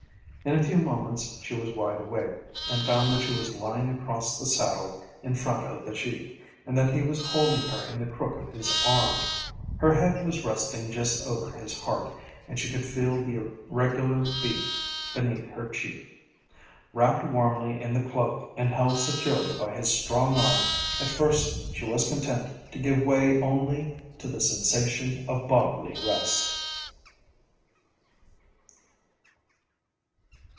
In a few moments she was wide awake, and found that she was lying across the saddle in front of the Sheik, and that he was holding her in the crook of his arm. Her head was resting just over his heart, and she could feel the regular beat beneath her cheek. Wrapped warmly in the cloak and held securely by his strong arm at first she was content to give way only to the sensation of bodily rest.